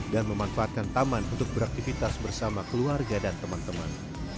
dan memanfaatkan taman untuk beraktivitas bersama keluarga dan teman teman